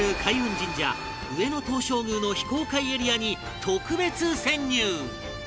神社上野東照宮の非公開エリアに特別潜入